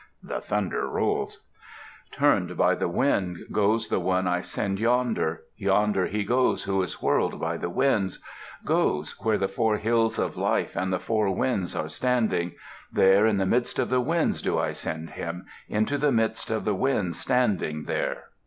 [The thunder rolls] Turned by the wind goes the one I send yonder; Yonder he goes who is whirled by the winds; Goes, where the four hills of life and the four winds are standing; There in the midst of the winds do I send him, Into the midst of the winds standing there.